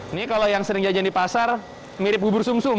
ini kalau yang sering jajan di pasar mirip bubur sum sum